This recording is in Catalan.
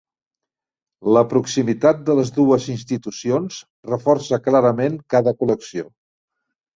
La proximitat de les dues institucions reforça clarament cada col·lecció.